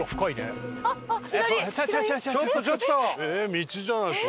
道じゃないですか？